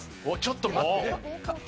おいちょっと待って。